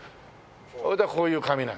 それでこういう紙なの。